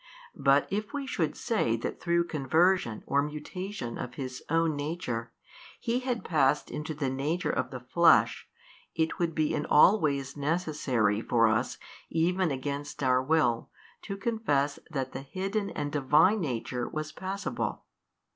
But if we should say that through conversion or mutation of His own Nature He had passed into the nature of the flesh 44, it would be in all ways |233 necessary for us even against our will to confess that the Hidden and Divine Nature was passible.